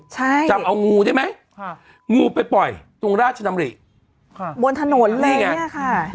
ใช่จำเอางูได้ไหมค่ะงูไปปล่อยตรงราชดำริค่ะบนถนนอะไรอย่างเงี้ยค่ะ